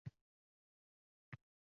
Otaning yuragi bir qo‘zg‘ala tushdi